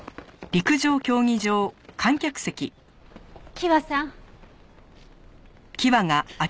希和さん。